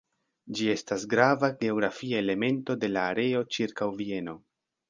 Ĝi estas grava geografia elemento de la areo ĉirkaŭ Vieno.